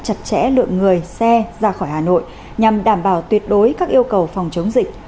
chặt chẽ lượng người xe ra khỏi hà nội nhằm đảm bảo tuyệt đối các yêu cầu phòng chống dịch